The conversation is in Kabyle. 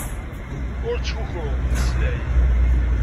Ur ttkukru. Mmeslay.